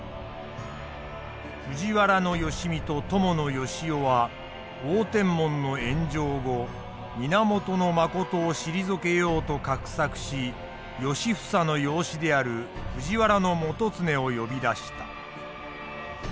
藤原良相と伴善男は応天門の炎上後源信を退けようと画策し良房の養子である藤原基経を呼び出した。